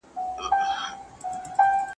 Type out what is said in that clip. څوک د ټولنيز نظم مسووليت لري؟